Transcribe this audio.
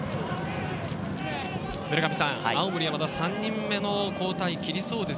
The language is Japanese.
青森山田、３人目の交代切りそうです。